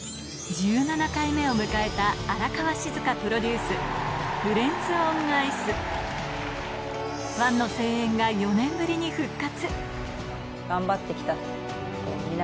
１７回目を迎えた荒川静香プロデュースファンの声援が４年ぶりに復活